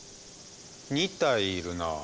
２体いるな。